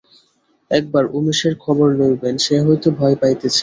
একবার উমেশের খবর লইবেন, সে হয়তো ভয় পাইতেছে।